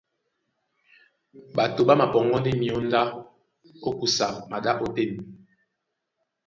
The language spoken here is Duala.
Ɓato ɓá mapɔŋgɔ́ ndé myǒndá ó kusa maɗá ótên.